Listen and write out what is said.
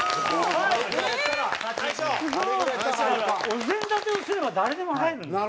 お膳立てをすれば誰でも入るんです。